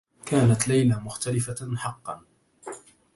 كانت ليلى مختلفة حقّا.